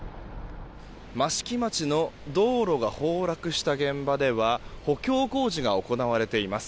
益城町の道路が崩落した現場では補強工事が行われています。